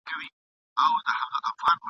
پر جل وهلي زړه مي ډکه پیمانه لګېږې ..